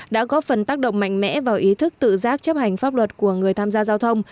đã góp phần tác động mạnh mẽ vào ý thức tự giác chấp hành pháp luật của người tham gia giao thông